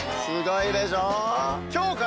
すごいでしょう？